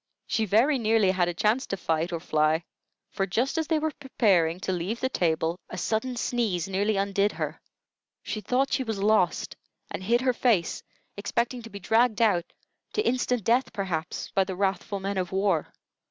She very nearly had a chance to fight or fly; for just as they were preparing to leave the table, a sudden sneeze nearly undid her. She thought she was lost, and hid her face, expecting to be dragged out to instant death, perhaps by the wrathful men of war.